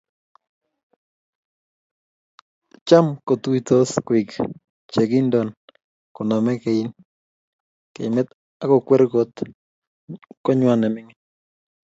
cham kusuisot koik che kinton kuname keimete akukwer koot ng'wany ne mining